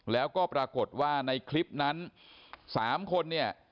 แล้วก็ปรากฏว่าในคลิปนั้น๓คนเนี่ย